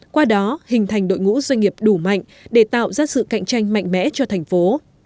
qua đó hình thành đội ngũ doanh nghiệp đủ mạnh để tạo ra sự cạnh tranh mạnh mẽ cho thành phố